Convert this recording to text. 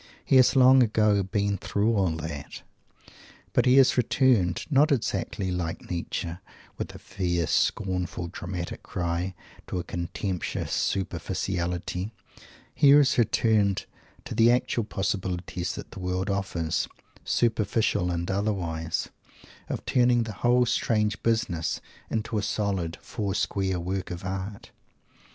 He has long ago "been through all that." But he has "returned" not exactly like Nietzsche, with a fierce, scornful, dramatic cry, to a contemptuous "superficiality" he has returned to the actual possibilities that the world offers, "superficial" and otherwise, of turning the whole strange business into a solid, four square "work of art."